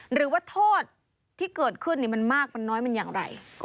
หรือว่าโทษที่เกิดขึ้นมันมากมันน้อยมันอย่างไร